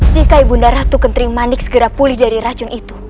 jika ibu naratu kentering manik segera pulih dari racun itu